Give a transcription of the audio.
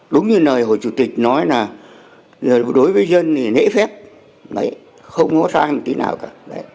đúng như nơi hồi chủ tịch nói là đối với dân thì nễ phép không có sai một tí nào cả